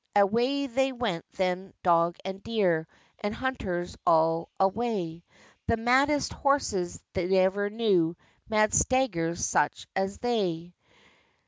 Away they went then, dog and deer, And hunters all away, The maddest horses never knew Mad staggers such as they!